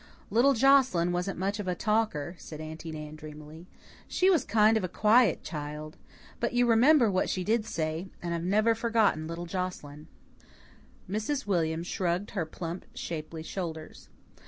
"Little Joscelyn wasn't much of a talker," said Aunty Nan dreamily. "She was kind of a quiet child. But you remember what she did say. And I've never forgotten little Joscelyn." Mrs. William shrugged her plump, shapely shoulders.